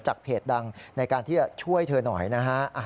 เพจดังในการที่จะช่วยเธอหน่อยนะฮะ